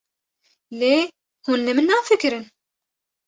Lê hûn li min nafikirin?